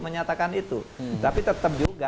menyatakan itu tapi tetap juga